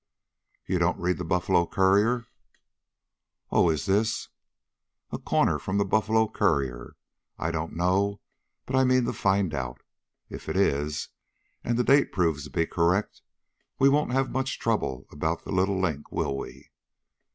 "You don't read the Buffalo Courier?" "Oh, is this " "A corner from the Buffalo Courier? I don't know, but I mean to find out. If it is, and the date proves to be correct, we won't have much trouble about the little link, will we?"